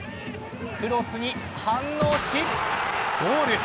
クロスに反応しゴール。